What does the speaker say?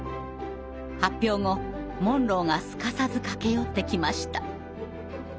発表後モンローがすかさず駆け寄ってきました。